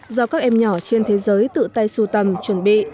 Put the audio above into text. do các em nhỏ trên thế giới tự tay sưu tầm chuẩn bị